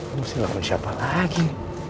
oh lo sih lalu siapa lagi